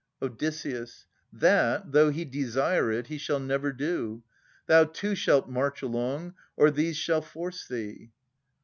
Od. That, Though he desire it, he shall never do. Thou too shalt march along, or these shall force thee.